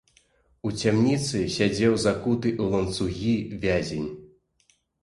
У цямніцы сядзеў закуты ў ланцугі вязень.